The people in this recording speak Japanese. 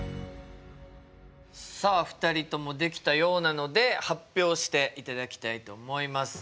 さあ２人ともできたようなので発表していただきたいと思います。